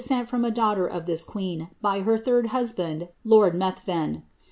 370 descent from a daughter of this queen by her third husband, lord Uethvin.